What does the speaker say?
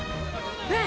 うん！！